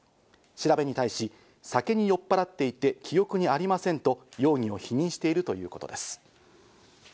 調べに対し、酒に酔っぱらっていて記憶にありませんと容疑を否認しているということです。